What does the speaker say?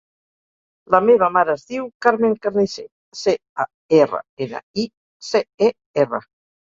La meva mare es diu Carmen Carnicer: ce, a, erra, ena, i, ce, e, erra.